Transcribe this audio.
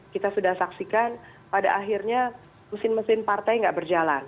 kita sudah saksikan pada akhirnya mesin mesin partai nggak berjalan